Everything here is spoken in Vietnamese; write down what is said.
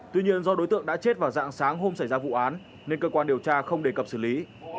tuy nhiên do đối tượng đã chết vào dạng sáng hôm xảy ra vụ án nên cơ quan điều tra không đề cập xử lý